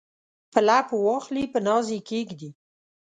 په لپو واخلي په ناز یې کښیږدي